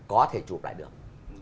có thể chụp lại được